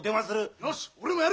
よし俺もやる！